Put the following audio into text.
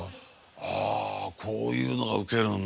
あこういうのがウケるんだ。